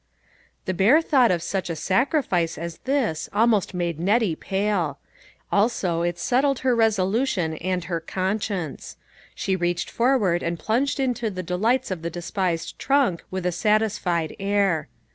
The bare thought of such a sacrifice as this almost made Nettie pale. Also it settled her resolution and her conscience. She reached for ward and plunged into the delights of the de spised trunk with a satisfied air.